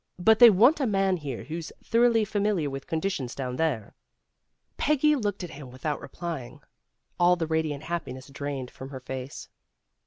But they want a man here who's thoroughly familiar with conditions down there." Pegggy looked at him without replying, all the radiant happiness drained from her face.